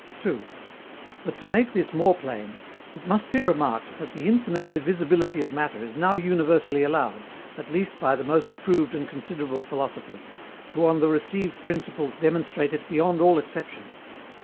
(2) But, to make this more plain, it must be remarked that the infinite divisibility of Matter is now universally allowed, at least by the most approved and considerable philosophers, who on the received principles demonstrate it beyond all exception.